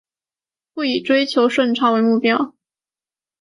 科尔内利乌斯家族的成员。